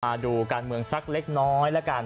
มาดูการเมืองสักเล็กน้อยแล้วกัน